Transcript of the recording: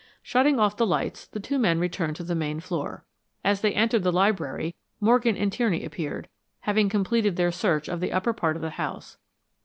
Shutting off the lights, the two men returned to the main floor. As they entered the library, Morgan and Tierney appeared, having completed their search of the upper part of the house.